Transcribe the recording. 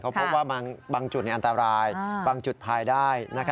เพราะว่าบางจุดอันตรายบางจุดภายได้